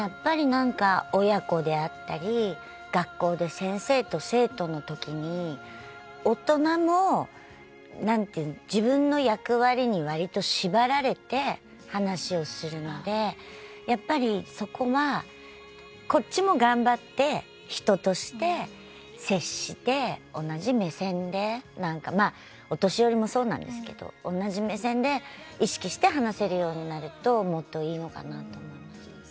親子であったり学校で先生と生徒のときに大人も自分の役割にわりと縛られて話をするので、そこはこっちも頑張って、人として接して同じ目線でお年寄りもそうなんですけど同じ目線で意識して話せるようになるともっといいのかなと思いました。